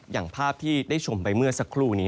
อย่างภาพที่ได้ชมไปเมื่อสักครู่นี้